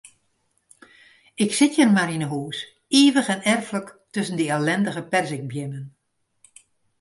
Ik sit hjir mar yn 'e hûs, ivich en erflik tusken dy ellindige perzikbeammen.